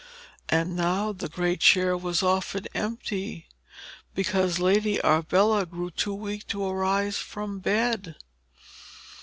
And now the great chair was often empty, because Lady Arbella grew too weak to arise from bed.